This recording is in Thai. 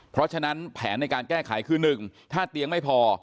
เพราะฉะนั้นแผนในการแก้ไขคือ๑ถ้าเตียงไม่พอ